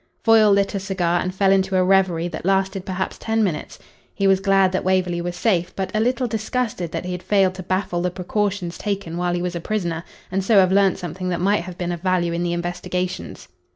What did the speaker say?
Foyle lit a cigar and fell into a reverie that lasted perhaps ten minutes. He was glad that Waverley was safe, but a little disgusted that he had failed to baffle the precautions taken while he was a prisoner, and so have learnt something that might have been of value in the investigations.